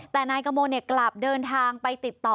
แต่นายกมลกลับเดินทางไปติดต่อ